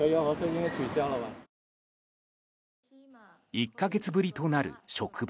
１か月ぶりとなる職場。